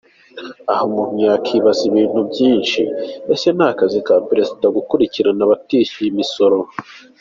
Aha umuntu yakwibaza ibibazo byinshi: ese ni akazi ka Perezida gukurikirana abatishyuye imisoro?